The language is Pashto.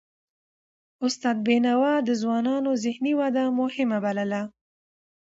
استاد بينوا د ځوانانو ذهني وده مهمه بلله.